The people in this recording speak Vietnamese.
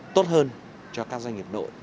tốt hơn cho các doanh nghiệp nội